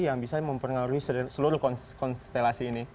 yang bisa mempengaruhi seluruh konstelasi ini